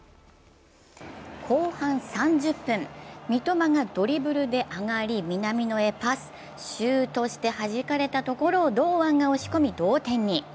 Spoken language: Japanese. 後半３０分、三笘がドリブルで上がり南野へパス、シュートしてはじかれたところを堂安が押し込み同点に。